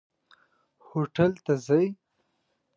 هوټل ته ځئ؟